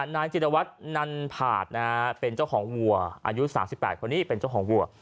นายจิรวัตนันผาดนะฮะเป็นเจ้าของวัวอายุ๓๘คนนี้เป็นเจ้าของวัว